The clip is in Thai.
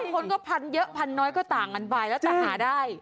คนก็พันเยอะพันน้อยก็ต่างกันไปแล้วจะหาได้